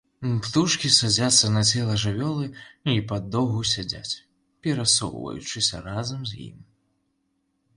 Птушкі садзяцца на цела жывёлы і падоўгу сядзяць, перасоўваючыся разам з ім.